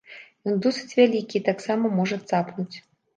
Ён досыць вялікі і таксама можа цапнуць.